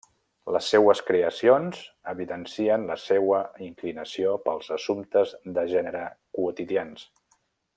Les seues creacions evidencien la seua inclinació pels assumptes de gènere, quotidians.